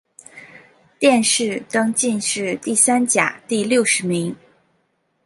殿试登进士第三甲第六十名。